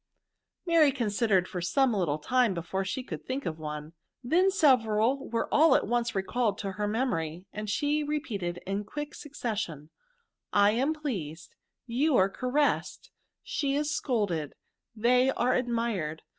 ^ Mary considered for some little time be fore she could think of one ; then several were at once recalled to her memory, and she repeated in quick succession, '^ I am pleased^ you are caressed, she is scolded, they are admired.